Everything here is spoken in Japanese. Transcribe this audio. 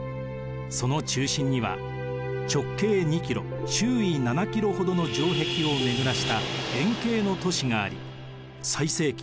その中心には直径２キロ周囲７キロほどの城壁を巡らした円形の都市があり最盛期